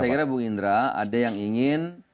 saya kira bung indra ada yang ingin